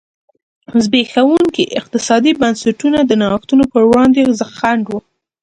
زبېښونکي اقتصادي بنسټونه د نوښتونو پر وړاندې خنډ و.